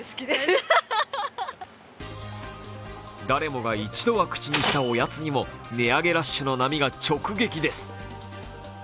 誰もが一度は口にしたおやつも値上げラッシュの波が直撃です。